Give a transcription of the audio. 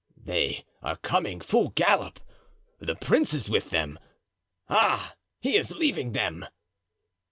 "They are coming, full gallop; the prince is with them—ah! he is leaving them!"